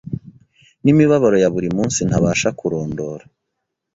n’imibabaro ya buri munsi ntabasha kurondora.